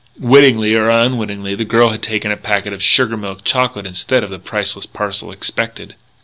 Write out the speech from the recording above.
Wittingly or unwittingly, the girl had taken a packet of sugar milk chocolate instead of the priceless parcel expected.